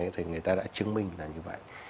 thì người ta đã chứng minh là như vậy